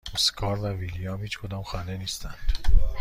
اسکار و ویلیام هیچکدام خانه نیستند.